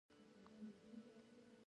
دا کلي له افغان کلتور سره تړاو لري.